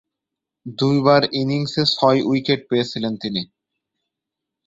দুইবার ইনিংসে ছয়-উইকেট পেয়েছিলেন তিনি।